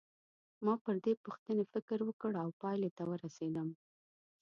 ما پر دې پوښتنې فکر وکړ او پایلې ته ورسېدم.